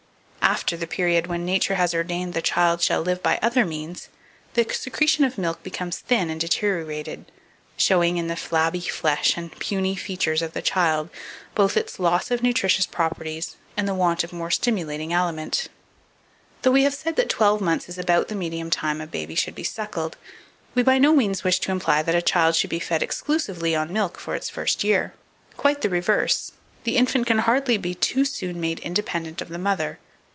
After the period when Nature has ordained the child shall live by other means, the secretion of milk becomes thin and deteriorated, showing in the flabby flesh and puny features of the child both its loss of nutritious properties and the want of more stimulating aliment. 2488. Though we have said that twelve months is about the medium time a baby should be suckled, we by no means wish to imply that a child should be fed exclusively on milk for its first year; quite the reverse; the infant can hardly be too soon made independent of the mother.